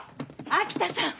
秋田さん！